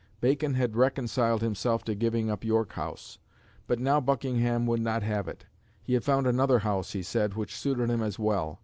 Bacon had reconciled himself to giving up York House; but now Buckingham would not have it: he had found another house, he said, which suited him as well.